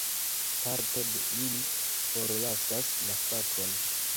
Parto de ili forlasas la fakon.